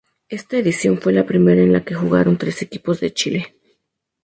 Esta edición fue la primera en la que jugaron tres equipos de Chile.